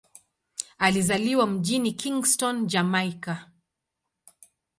Alizaliwa mjini Kingston, Jamaika.